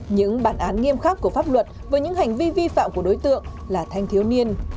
những bản án nghiêm khắc của pháp luật với những hành vi vi phạm của đối tượng là thanh thiếu niên